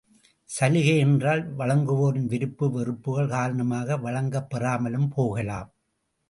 சலுகையென்றால் வழங்குவோரின் விருப்பு வெறுப்புக்கள் காரணமாக வழங்கப்பெறாமலும் போகலாம்.